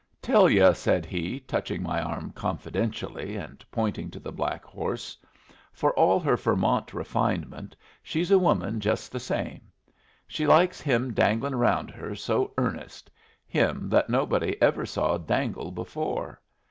"Tell yu'," said he, touching my arm confidentially and pointing to the black horse, "for all her Vermont refinement she's a woman just the same. She likes him dangling round her so earnest him that no body ever saw dangle before.